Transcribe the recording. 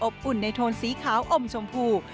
อุ่นในโทนสีขาวอมชมพู